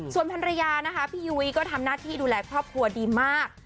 ส่วนภรรยานะคะพี่ยุ้ยก็ทำหน้าที่ดูแลครอบครัวดีมาก